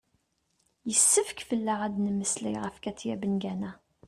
yessefk fell-aɣ ad d-nemmeslay ɣef katia bengana